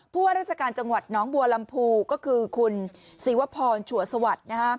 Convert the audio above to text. ว่าราชการจังหวัดน้องบัวลำพูก็คือคุณศิวพรชัวสวัสดิ์